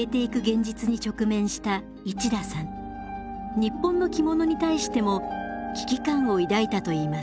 日本の着物に対しても危機感を抱いたといいます。